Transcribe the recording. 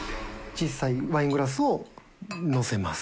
小さいワイングラスをのせます。